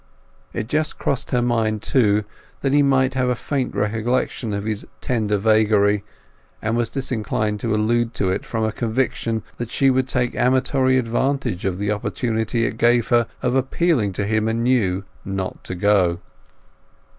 It just crossed her mind, too, that he might have a faint recollection of his tender vagary, and was disinclined to allude to it from a conviction that she would take amatory advantage of the opportunity it gave her of appealing to him anew not to go.